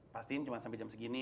pastiin cuma sampai jam segini